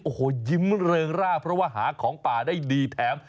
โอ้โหยิ้มเริงร่าเพราะว่าหาของป่าได้ดีแถม